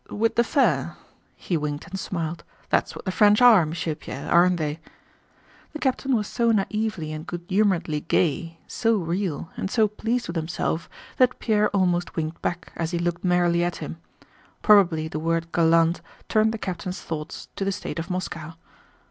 with the fair" (he winked and smiled), "that's what the French are, Monsieur Pierre, aren't they?" The captain was so naïvely and good humoredly gay, so real, and so pleased with himself that Pierre almost winked back as he looked merrily at him. Probably the word "gallant" turned the captain's thoughts to the state of Moscow.